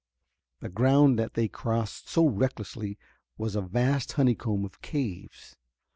The ground that they crossed so recklessly was a vast honeycomb of caves.